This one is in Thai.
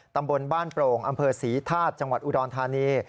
ตำบลบ้านโปร่งอำเภอศรีธาตุจังหวัดอุดรธานี